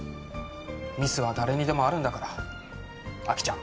ミスは誰にでもあるんだからあきちゃん